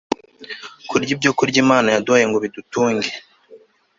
kurya ibyokurya Imana yaduhaye ngo bidutunge